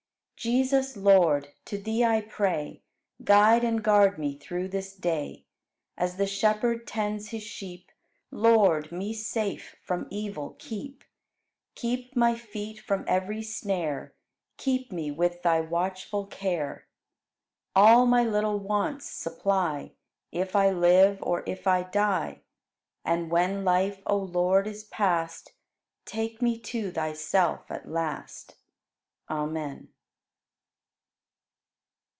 6. Jesus, Lord, to Thee I pray, Guide and guard me through this day. As the shepherd tends his sheep. Lord, me safe from evil keep. Keep my feet from every snare, Keep me with Thy watchful care. All my little wants supply If I live or if I die. And when life, O Lord, is past, Take me to Thyself at last. Amen.